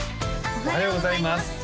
おはようございます